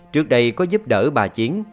trước đây có giúp đỡ bà chiến